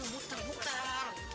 dung dung rog